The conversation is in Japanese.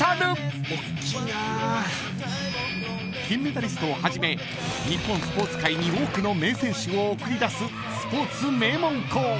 ［金メダリストをはじめ日本スポーツ界に多くの名選手を送り出すスポーツ名門校］